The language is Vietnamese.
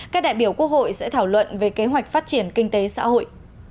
các đại biểu quốc hội sẽ thảo luận về kế hoạch phát triển kinh tế xã hội